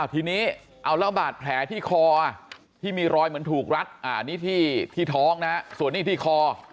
ทีนี้เอาแล้วบาดแผลที่คอที่มีรอยเหมือนถูกรัดอันนี้ที่ท้องนะส่วนนี้ที่คอ